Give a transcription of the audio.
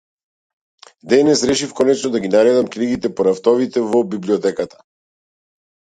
Денес решив конечно да ги наредам книгите по рафтовите во библиотеката.